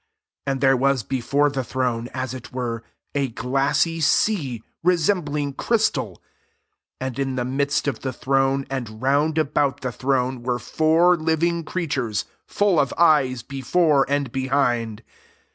6 And there was b^ore the throne, as it were, a glassy sea, resem bling crystal: and in the midst of the throne, and round about the throne, were four living creatures full of eyes before and behind.